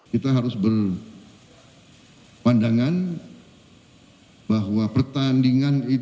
kita harus berpandangan bahwa pertandingan itu